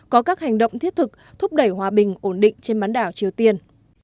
có các hành động thiết thực thúc đẩy hòa bình ổn định trên bán đảo triều tiên